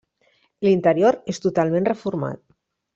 L'interior és totalment reformat.